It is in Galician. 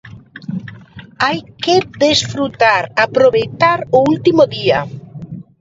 Hai que desfrutar, aproveitar o último día.